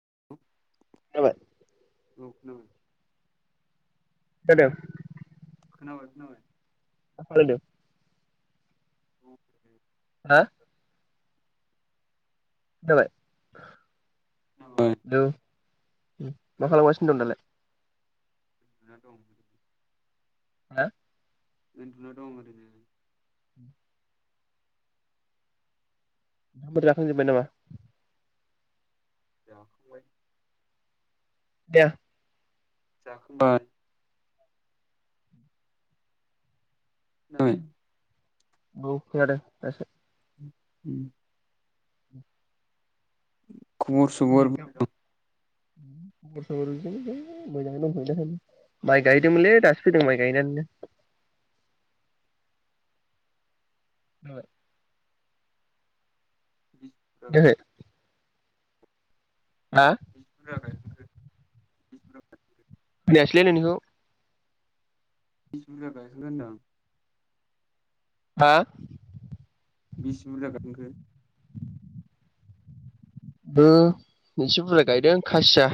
[inaudible] जाबाय। औ खोनाबाय। हेल'? खोनाबाय खोनाबाय। मा होनदों? औ [inaudible] हा? खोनाबाय? खोनाबाय हेल'? मा खालामगासिनो दङ दालाय? ना दं [inaudible] हा? उनदुना दं ओरैनो। ओंखाम फोर जाखांजोबबाय नामा? जाखांबाय। खोनाया? जाखांबाय। [unintelligible] आं खोनादों दासो। उम। [inaudible] खबर सबर बोरै दं? [inaudible] [unintelligible] माइ गायदोंमोनलै दासो फैदों माइ गायनानैनो। खोनाबाय बिसि खोनायाखै? हा [unintelligible] खोनायासैलै नोंनिखौ। बेसे बुरजा गायखांखो होनदां? हा? बेसे बुरजा गायखांखो? [inaudible] ओ एसे बुरजा गायदों खासिया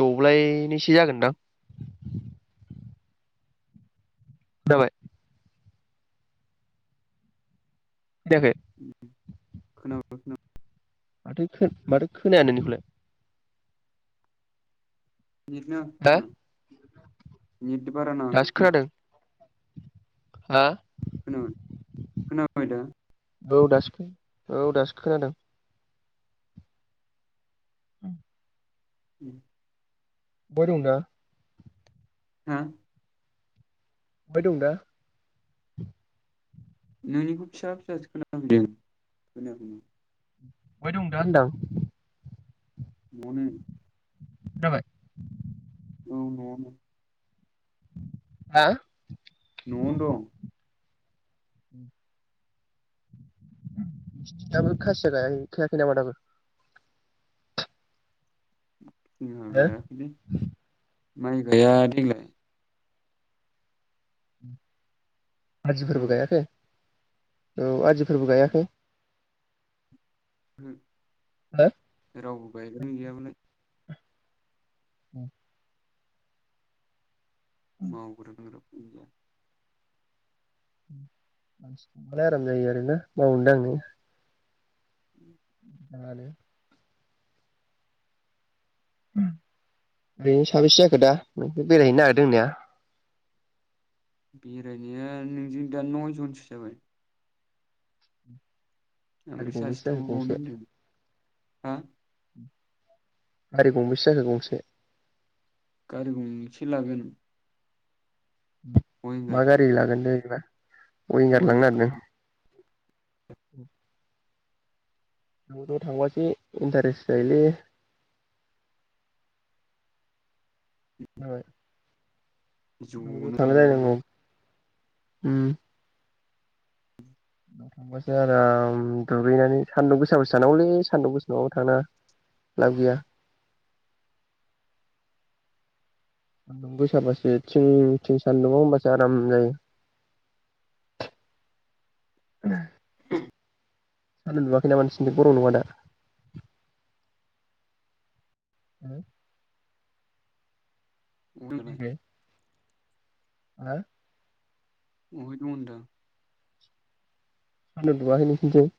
दब्लायनैसो जागोनदां। खोनाबाय। खोनायाखै खोना [unintelligible] माथो खो माथो खोनाया नोंनिखौलाय। नेट नाङाखै हा खोमा। नेद बारा दासो नाङाखै खोमा‌। खोनादों हा? खोनाबाय खोनाबाय दा औ दासो औ दासो खोनादों। [inaudible] [inaudible] बहाय दं दा? हा? बहाय दं दा? नोंनिखौ फिसा फिसासो खोनाफैदों खोनायाखैनो। बहाय दं दा होनदां? न'आवनो। खोनाबाय? औ न'आवनो। हा? न'आवनो दं। नोंसिनथिं दोबो खासिया गायाखै खायाखै नामा दाबो? [inaudible] जोंहा हो गायाखैलै। माइ गाया देग्लाय। उम आदिफोरबो खोनाबाय गायाखै? औ आदिफोरबो गायाखै? हो हो रावबो गायगोन गैयाबालाय ओ मावग्रा दांग्रा उम मानसि थाबालाय आराम जायो आरोैना मावनो दांनो। उम नानो उम बेजों सा बेसे जाखो दा नोंसोर बेरायहैनो नागिरदों होननाया? बेरायनाया नोंजों दा नय जनसो जाबाय। गारि ओमफ्राय सासे गंबैसो जाखो थांफाबावनो गंसे? होनदों हा? गारि गंबैसो जाखो गंसे गारि गंसे लागोन। मा विंगार गारि लागोन दै? एबा अयिंगार लांनो विंगार नागिरदों हुम ज' ज' थांबासो इन्टारेस्ट जायोलै। नाबाय ज'नो ज'ज'थांलाय थांनांगौना लायनांगौ। उम नोव थांबासो आराम दुगैनानै सानदुं गोसाबसो थांनांगौलै सानदुं गोसा नंङाबा थांनांङा लाब गैया सानदुं गोसाबासो थिं थिं सानदुंआव होमबासो आराम जायो। सान्दुं दुंङाखै नामा नोसिनि जों गरम नंङा दा? [unintelligible] [unintelligible] [unintelligible] [unintelligible] सानदुं दुङाखै नों सिनिथिं?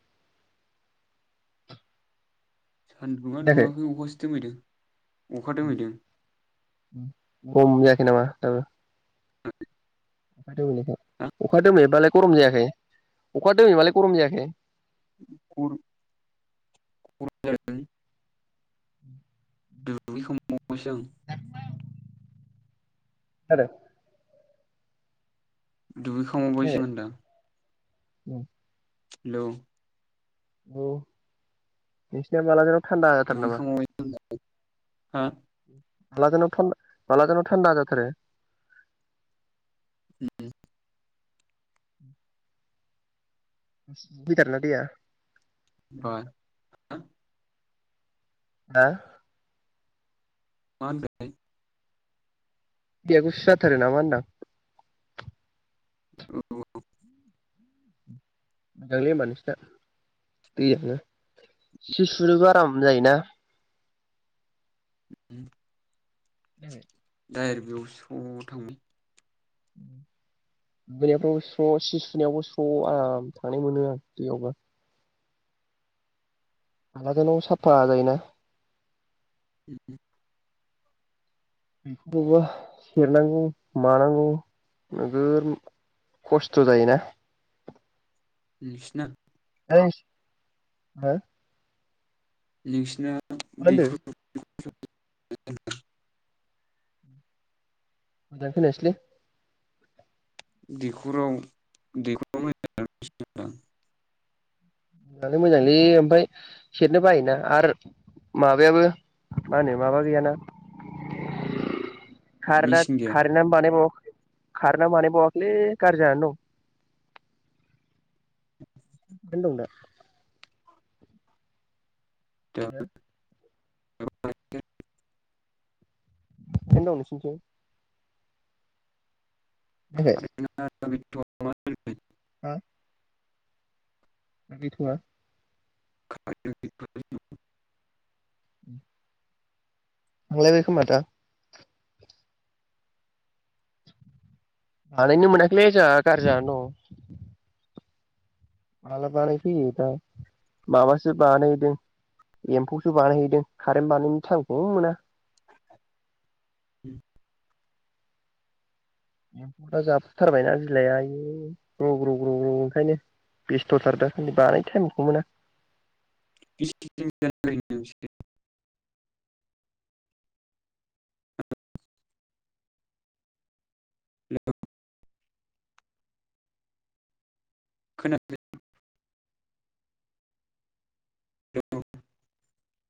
सानदुङा जायाखै? दुंवाखै अखासो दोमैदों। अखा दोमैदों। गरम जायाखै नामा दाबो? [unintelligible] अखा दोमैनायखौ अखा दोमैबालाय गरम जायाखै अखा दोमैबालाय गरम जायाखै? [unintelligible] [unintelligible] सो आं। [unintelligible] दुगैखांबावबायसोमोनदा। उम [inaudible] हेल'? औ नोंसिना माला थान्दैराव जाथारो नामा? दुगैखांबावबायसो होनदां हा? माला जेन' माला जेन' थान्डा जाथारो। गुसु फैथारोना दैया? बा हा? मा होनदोलै? दैया गुसु जाथारो नामा होनदां? औ। [inaudible] मोजांलै होमबा नोंसिना दैजोंनो सि सुनोबो आराम जायोना? [inaudible] खोनायाखै? [inaudible] दारेक बैयाव स' थांबाय दुगैनायफ्राव स्र' सि सुनायावबो स्र' आराम थांनाय मोनो आं दैयावबा आलादानो साफा जायोना। [inaudible] बेखौबा सेरनांगौ मानांगौ नोगोर खस्थ' जायोना नोंसिना थैस हा? [inaudible] निसिना होनदों दैखर [inaudible] [unintelligible] मोजां खोनायासैलै। दैखराव [inaudible] मोजांलै ओमफ्राय सेरनो बायोना आरो माबायाबो मा होनो माबा गैयाना। खारेना मेचिन गैया खारेनानो बानायबावाखै खारेनानो बानाय बावाखैलै गारजि जानानै दं। [unintelligible] दा हो? [unintelligible] खारेन दं नोंसिनिथिं? खोनायाखै? कारेन्टआ [unintelligible] हा? गैथ'आ [unintelligible] उ थांलायबाय खोमा दा। बानायनो मोनाखैलै जोहा गारजि जानानै दं। माला बानायफैयो दा माबासो बानायहैदों एम्फौसो बानायहैदों खारेन्ट बानायनो टाइमखौ मोना। उ। एम्फौफ्रा जाफुथारबायना बिलाइआ आइऔ ग्रौ ग्रौ ग्रौ ग्रौ ओंखायनो बेस्थ'थार दासानदि बानायनो टाइमखौ मोना। [unintelligible] खोनाखै? [unintelligible]